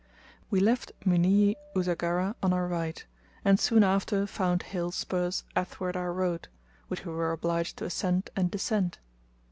We left Muniyi Usagara on our right, and soon after found hill spurs athwart our road, which we were obliged to ascend and descend.